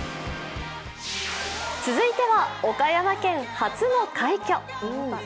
続いては、岡山県初の快挙。